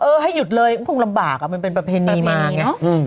ให้หยุดเลยก็คงลำบากอ่ะมันเป็นประเพณีมาไง